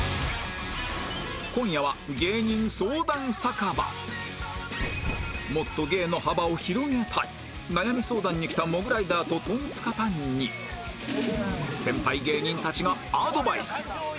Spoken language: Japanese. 今夜はもっと芸の幅を広げたい悩み相談に来たモグライダーとトンツカタンに先輩芸人たちがアドバイス